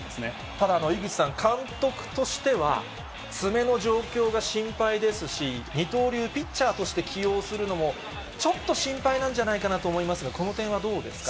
ただ、井口さん、監督としては爪の状況が心配ですし、二刀流、ピッチャーとして起用するのも、ちょっと心配なんじゃないかなと思いますが、この点はどうですか。